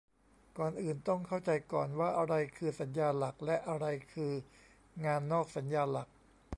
ก่อนอื่นต้องเข้าใจก่อนว่าอะไรคือสัญญาหลัก และ อะไรคืองานนอกสัญญาหลัก